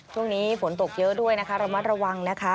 ช่วงนี้ฝนตกเยอะด้วยนะคะระมัดระวังนะคะ